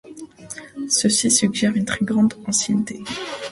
Ceci suggère une très grande ancienneté.